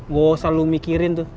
nggak usah lo mikirin tuh